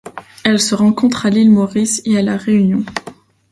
Elle se rencontre à l'île Maurice et à La Réunion.